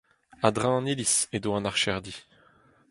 A-dreñv an iliz edo an archerdi.